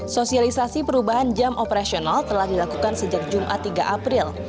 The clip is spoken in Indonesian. sosialisasi perubahan jam operasional telah dilakukan sejak jumat tiga april